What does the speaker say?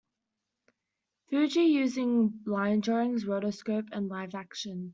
Fuji, using line drawings, rotoscope and live action.